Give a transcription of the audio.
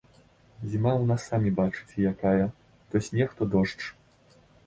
Зіма ў нас самі бачыце якая, то снег, то дождж.